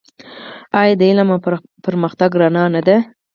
آیا د علم او پرمختګ رڼا نه ده؟